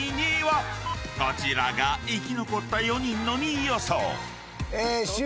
［こちらが生き残った４人の２位予想］